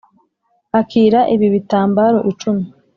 Akira ibi bitambaro icumi